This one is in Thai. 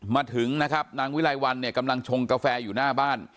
มาถึงนะครับนางวิไลวันเนี่ยกำลังชงกาแฟอยู่หน้าบ้าน